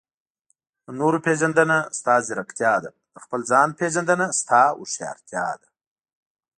د نورو پېژندنه؛ ستا ځیرکتیا ده. د خپل ځان پېژندنه؛ ستا هوښيارتيا ده.